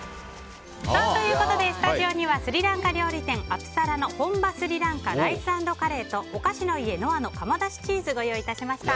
スタジオにはスリランカ料理アプサラの本場スリランカライス＆カレーとおかしの家ノアの窯だしチーズをご用意しました。